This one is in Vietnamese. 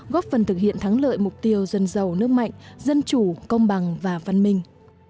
góp phần thực hiện thắng lợi mục tiêu dân giàu nước mạnh dân chủ công bằng và văn minh